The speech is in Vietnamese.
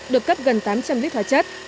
được cấp gần tám trăm linh lít hóa chất